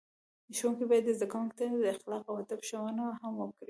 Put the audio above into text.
ښوونکي باید زده کوونکو ته د اخلاقو او ادب ښوونه هم وکړي.